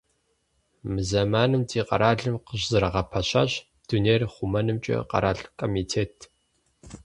Мы зэманым ди къэралым къыщызэрагъэпэщащ Дунейр хъумэнымкӀэ къэрал комитет.